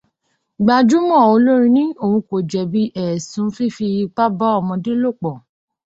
Gbajúmọ olórin ní òun kò jẹ̀bi ẹ̀ṣùn fífi ipá bá ọmọdé lòpọ̀